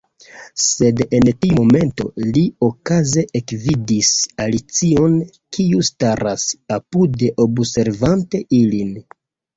Sed en tiu momento li okaze ekvidis Alicion, kiu staras apude observante ilin.